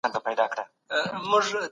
په لویه جرګه کي نظم څنګه برقرار ساتل کېږي؟